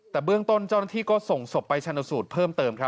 แต่เบื้องต้นเจ้าหน้าที่ก็ส่งศพไปชนสูตรเพิ่มเติม